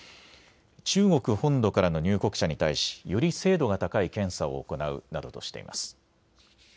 中国本土からの入国者に対しより精度が高い検査を行うなどとしています。